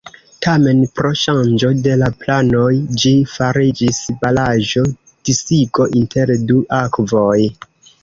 Tamen, pro ŝanĝo de la planoj ĝi fariĝis baraĵo: disigo inter du akvoj.